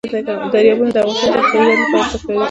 دریابونه د افغانستان د اقتصادي ودې لپاره ارزښت لري.